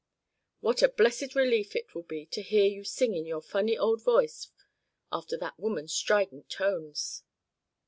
What a blessed relief it will be to hear you sing in your funny old voice after that woman's strident tones."